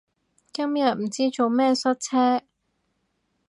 今日唔知做咩塞車